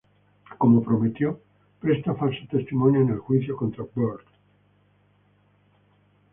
Como prometió, presta falso testimonio en el juicio contra Bird.